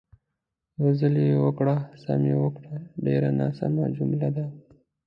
"یو ځل یې وکړه، سم یې وکړه" ډېره ناسمه جمله ده.